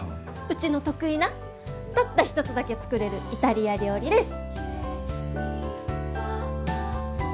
うちの得意なたった一つだけ作れるイタリア料理です！